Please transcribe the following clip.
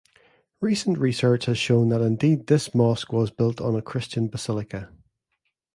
Recent research has shown that indeed this mosque was built on a Christian basilica.